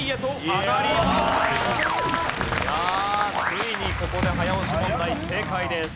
いやあついにここで早押し問題正解です。